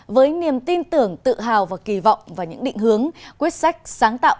với niềm tin tưởng tự hào và kỳ vọng vào những định hướng quyết sách sáng tạo